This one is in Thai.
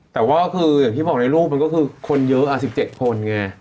แต่ว่าคืออย่างที่บอกในโลกมันก็คือคนเยอะ๑๗คนไง